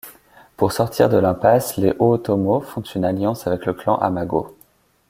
Pour sortir de l'impasse, les Ōtomo font une alliance avec le clan Amago.